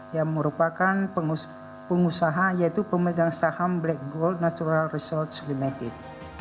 yang merupakan pengusaha yaitu pemegang saham black gold natural resource limited